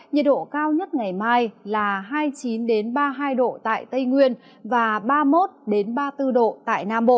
nhiệt độ cao nhất ngày mai là hai mươi chín ba mươi hai độ tại tây nguyên và ba mươi một ba mươi bốn độ tại nam bộ